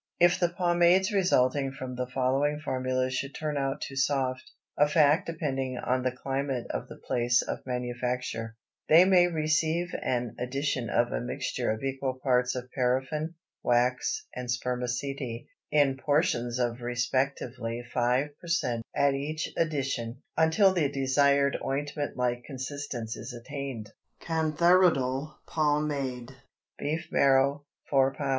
If the pomades resulting from the following formulas should turn out too soft—a fact depending on the climate of the place of manufacture—they may receive an addition of a mixture of equal parts of paraffin, wax, and spermaceti, in portions of respectively five per cent at each addition, until the desired ointment like consistence is attained. CANTHARIDAL POMADE. Beef marrow 4 lb.